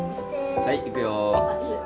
はいいくよ。